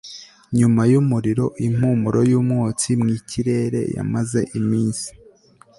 nyuma yumuriro, impumuro yumwotsi mwikirere yamaze iminsi